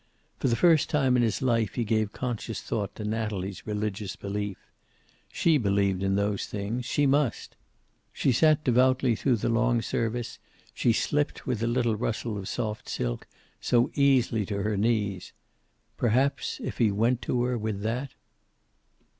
For the first time in his life he gave conscious thought to Natalie's religious belief. She believed in those things. She must. She sat devoutly through the long service; she slipped, with a little rustle of soft silk, so easily to her knees. Perhaps, if he went to her with that?